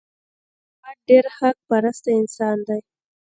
احمد ډېر حق پرسته انسان دی.